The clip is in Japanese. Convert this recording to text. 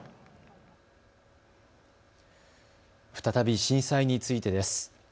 再び震災についてです。